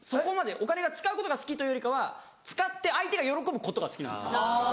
お金が使うことが好きというよりかは使って相手が喜ぶことが好きなんですよ。